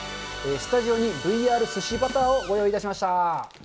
スタジオにＶＲすしバターをご用意いたしました。